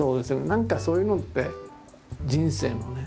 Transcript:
何かそういうのって人生のね。